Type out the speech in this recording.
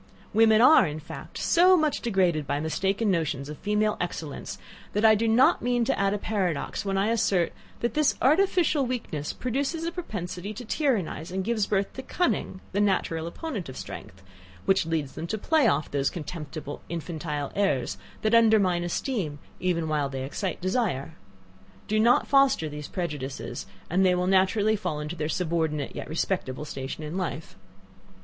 Women are, in fact, so much degraded by mistaken notions of female excellence, that I do not mean to add a paradox when I assert, that this artificial weakness produces a propensity to tyrannize, and gives birth to cunning, the natural opponent of strength, which leads them to play off those contemptible infantile airs that undermine esteem even whilst they excite desire. Do not foster these prejudices, and they will naturally fall into their subordinate, yet respectable station in life.